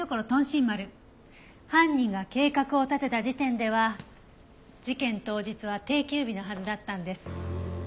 新丸犯人が計画を立てた時点では事件当日は定休日のはずだったんです。